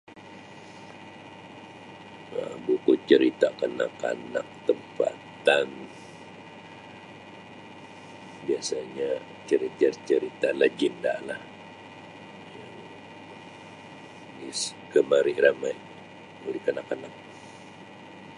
Um Buku cerita kanak-kanak tempatan biasanya cerita lagenda lah yang digemari ramai oleh kanak-kanak.